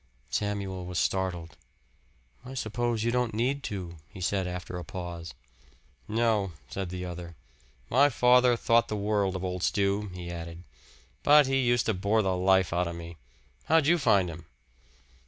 Samuel was startled. "I suppose you don't need to," he said after a pause. "No," said the other. "My father thought the world of Old Stew," he added; "but he used to bore the life out of me. How'd you find him?"